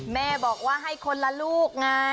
แม่บอกว่าให้คนละลูกไง